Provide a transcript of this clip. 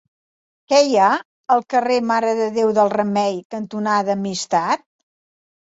Què hi ha al carrer Mare de Déu del Remei cantonada Amistat?